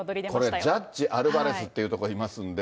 これ、ジャッジ、アルバレスってところいますんで。